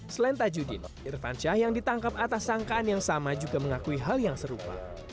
selain tajudin irfan syah yang ditangkap atas sangkaan yang sama juga mengakui hal yang serupa